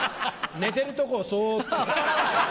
寝てるとこをそっと。